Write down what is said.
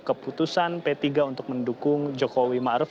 keputusan p tiga untuk mendukung jokowi ma'ruf